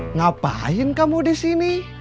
ngapain kamu di sini